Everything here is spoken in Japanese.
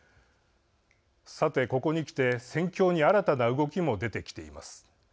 さて、ここにきて戦況に新たな動きも出てきています。